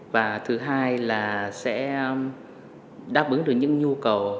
và thứ hai là sẽ đáp ứng được những nhu cầu